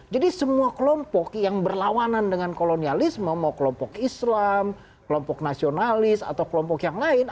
jadi semua kelompok yang berlawanan dengan kolonialisme mau kelompok islam kelompok nasionalis atau kelompok yang lain